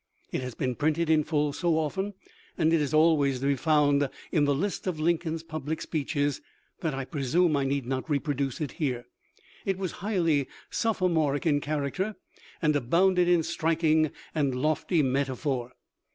It has been printed in full so often, and is always to be found in the list of Lincoln's public speeches, that I presume I need not reproduce it here. It was highly sophomoric in character and abounded in striking and lofty metaphor.